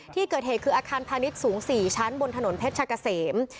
ที่เกิดเหตุคืออาคารพาณิชย์สูง๔ชั้นบนถนนเพชรกะเสม